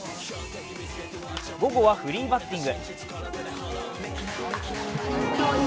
午後はフリーバッティング。